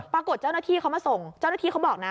ปรากฏเจ้าหน้าที่เขามาส่งเจ้าหน้าที่เขาบอกนะ